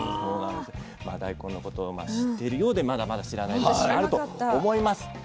まあ大根のことを知ってるようでまだまだ知らないことがあると思います。